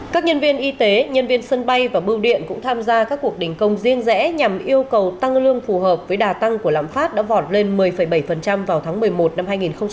các nhân viên y tế nhân viên sân bay và bưu điện cũng tham gia các cuộc đình công riêng rẽ nhằm yêu cầu tăng lương phù hợp với đà tăng của lạm phát đã vọt lên một mươi bảy vào tháng một mươi một năm hai nghìn hai mươi